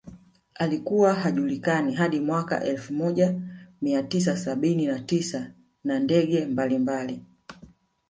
Alikuwa hajulikani hadi mwaka elfu moja mia tisa sabini na tisa na ndege mbalimbali